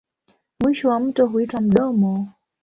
Mwisho wa mto huitwa mdomo.